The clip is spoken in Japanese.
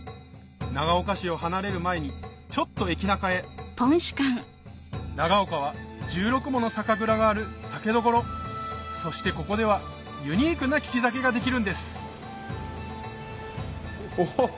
長岡市を離れる前にちょっと駅ナカへ長岡は１６もの酒蔵がある酒所そしてここではユニークな利き酒ができるんですオホホホホ。